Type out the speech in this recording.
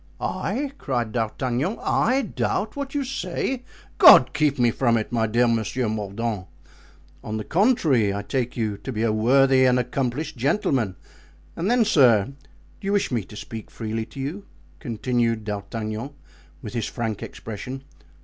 "I!" cried D'Artagnan, "I doubt what you say! God keep me from it, my dear Monsieur Mordaunt! On the contrary, I take you to be a worthy and accomplished gentleman. And then, sir, do you wish me to speak freely to you?" continued D'Artagnan, with his frank expression.